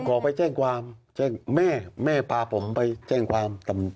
ผมขอไปแจ้งความแม่ปลาผมไปแจ้งความ